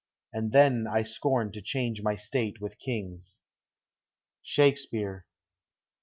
That then I scorn to change my state with kings. SHAKES PEA RE.